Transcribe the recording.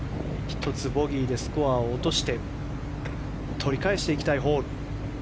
１つボギーでスコアを落として取り返していきたいホール。